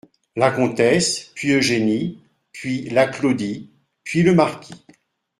La Comtesse, puis Eugénie, puis la Claudie, puis le Marquis.